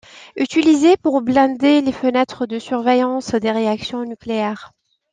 Utilisé pour blinder les fenêtres de surveillance des réactions nucléaires.